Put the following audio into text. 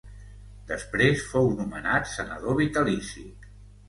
Després fou nomenat senador vitalici.